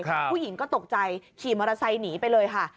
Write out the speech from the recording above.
ผู้หญิงก็ตกใจขี่มอเตอร์ไซค์หนีไปเลยค่ะ